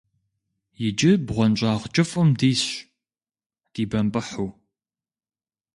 Иджы бгъуэнщӀагъ кӀыфӀым дисщ, дибэмпӀыхьу.